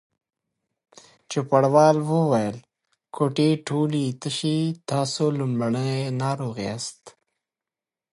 چوپړوال وویل: کوټې ټولې تشې دي، تاسې لومړنی ناروغ یاست.